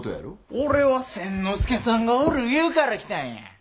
俺は千之助さんがおるいうから来たんや。